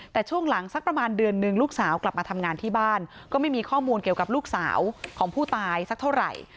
แต่ช่วงหลังสักประมาณเดือนนึงลูกสาวกลับมาทำงานที่บ้านก็ไม่มีข้อมูลเกี่ยวกับลูกสาวของผู้ตายสักเท่าไหร่